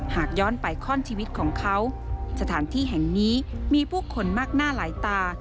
หากย้อนไปข้อนชีวิตของเขาสถานที่แห่งนี้มีผู้คนมากหน้าหลายตา